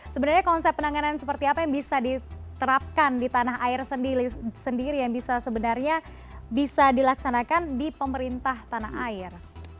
sebenarnya konsep penanganan seperti apa yang bisa diterapkan di tanah air sendiri yang bisa sebenarnya bisa dilaksanakan di pemerintah tanah air